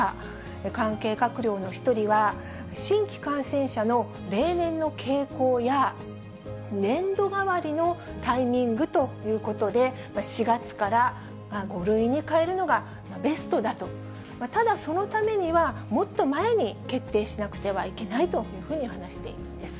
関係閣僚の１人は、新規感染者の例年の傾向や年度替わりのタイミングということで、４月から５類に変えるのがベストだと、ただ、そのためには、もっと前に決定しなくてはいけないと話しているんです。